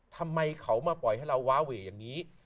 ทำไมเขามาปล่อยให้เราวาเวอย่างนี้